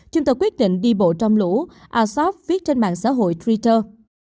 chúng ta quyết định đi bộ trong lũ ashraf viết trên mạng xã hội twitter